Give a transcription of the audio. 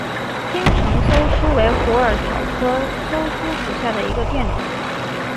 青城溲疏为虎耳草科溲疏属下的一个变种。